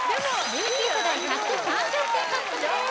ルーキー世代１３０点獲得です